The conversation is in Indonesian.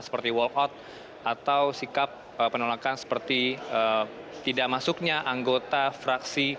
seperti walk out atau sikap penolakan seperti tidak masuknya anggota fraksi